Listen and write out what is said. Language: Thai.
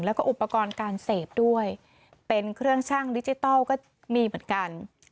แล้วก็อุปกรณ์การเสพด้วยเป็นเครื่องช่างดิจิทัลก็มีเหมือนกัน